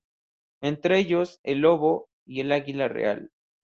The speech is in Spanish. Entre ellos, el lobo y el águila real.